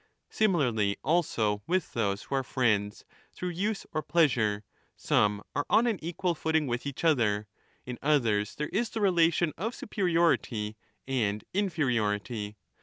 Similarly also with those who are friends through use or pleasure, some are on an equal footing with each other, in others there is the relation of superiority and inferiority.